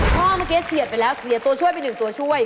ข้อเมื่อกี้เฉียดไปแล้วเสียตัวช่วยไป๑ตัวช่วย